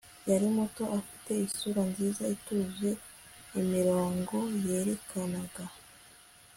yari muto, afite isura nziza, ituje, imirongo yerekanaga